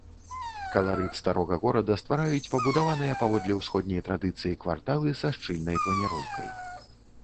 Каларыт старога горада ствараюць пабудаваныя паводле ўсходняй традыцыі кварталы са шчыльнай планіроўкай.